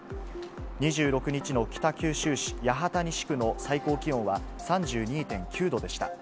２６日の北九州市八幡西区の最高気温は３２．９度でした。